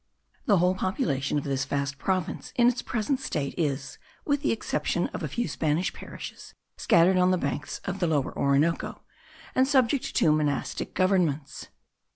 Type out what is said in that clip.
The whole population of this vast province in its present state is, with the exception of a few Spanish parishes, scattered on the banks of the Lower Orinoco, and subject to two monastic governments.